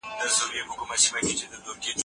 لښتې په خپلو اوښکو د نغري ایرې یو ځل بیا لندې کړې.